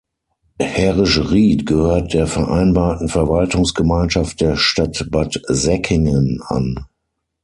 Herrischried gehört der Vereinbarten Verwaltungsgemeinschaft der Stadt Bad Säckingen an.